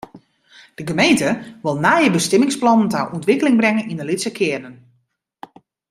De gemeente wol nije bestimmingsplannen ta ûntwikkeling bringe yn de lytse kearnen.